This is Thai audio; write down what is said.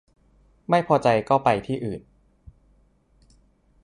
ไม่พอใจก็ไปที่อื่น